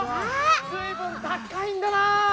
ずいぶんたかいんだな！